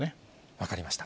分かりました。